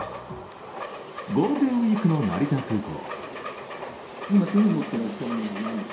ゴールデンウイークの成田空港。